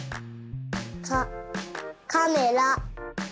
カカメラ。